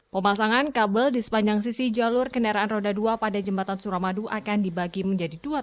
pemasangan kabel di sepanjang sisi jalur kendaraan roda dua pada jembatan suramadu akan dibagi menjadi dua